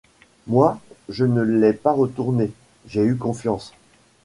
Moi, je ne l’ai pas retournée, j’ai eu confiance...